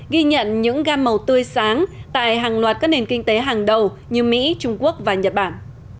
ghi nhận những gam màu tươi sáng tại hàng loạt các nền kinh tế hàng đầu như mỹ trung quốc và nhật bản